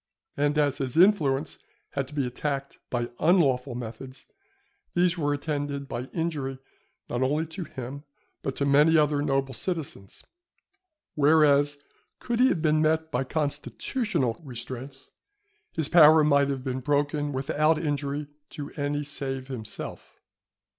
And as his influence had to be attacked by unlawful methods, these were attended by injury not to him only, but to many other noble citizens; whereas, could he have been met by constitutional restraints, his power might have been broken without injury to any save himself.